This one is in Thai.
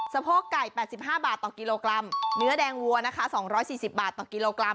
สะโพกไก่แปดสิบห้าบาทต่อกิโลกรัมเนื้อแดงวัวนะคะสองร้อยสี่สิบบาทต่อกิโลกรัม